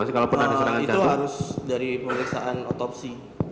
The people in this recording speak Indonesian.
itu harus dari pengulisan otopsi